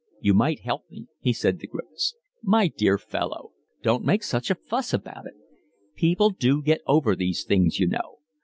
"You might help me," he said to Griffiths. "My dear fellow, don't make such a fuss about it. People do get over these things, you know.